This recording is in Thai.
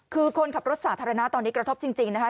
คือคนขับรถสาธารณะตอนนี้กระทบจริงนะคะ